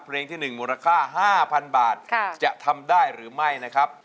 เพลงที่๑มูลค่า๕๐๐๐บาทจะทำได้หรือไม่นะครับ